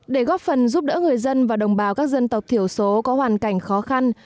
để góp phần giúp đỡ người dân và đồng bào các dân tộc thiểu số có hoàn cảnh khó khăn